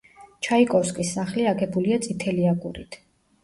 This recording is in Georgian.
ჩაიკოვსკის სახლი აგებულია წითელი აგურით.